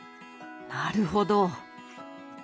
なるほど。